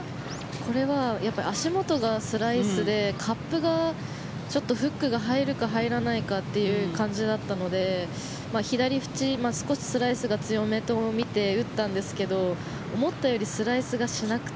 これは足元がスライスでカップがちょっとフックが入るか、入らないかっていう感じだったので左縁、少しスライスが強めと見て打ったんですが思ったよりスライスがしなくて。